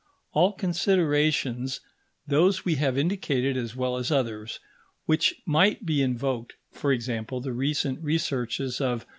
All considerations, those we have indicated as well as others which might be invoked (for example, the recent researches of M.